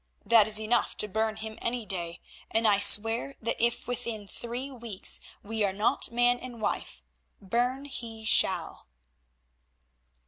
That is enough to burn him any day, and I swear that if within three weeks we are not man and wife, burn he shall."